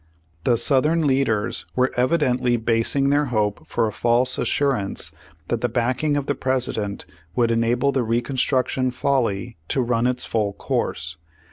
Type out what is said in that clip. The Southern leaders were evidently basing their hope for a false assurance that the backing of the President would enable the Reconstruction folly to run its full course.